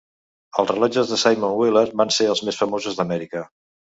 Els rellotges de Simon Willard van ser els més famosos d'Amèrica.